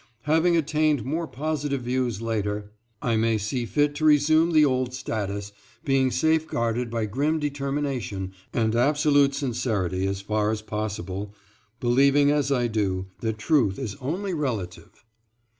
Having attained more positive views later, I may see fit to resume the old status, being safeguarded by grim determination and absolute sincerity as far as possible, believing as I do, that truth is only relative.